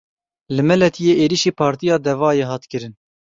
Li Meletiyê êrişî Partiya Devayê hat kirin.